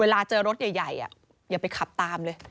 เวลาเจอรถใหญ่อย่าไปขับตามเลย